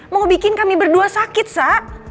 mau bikin kami berdua sakit sak